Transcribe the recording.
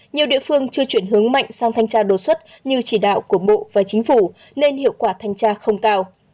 nhiều địa phương chưa chuyển hướng mạnh sang thanh tra đột xuất như chỉ đạo của bộ và chính phủ nên hiệu quả thanh tra không cao